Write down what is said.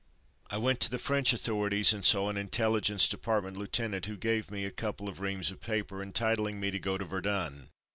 I went to the French authorities and saw an Intelligence Department lieutenant who gave me a couple of reams of paper entitling me to go to Verdun.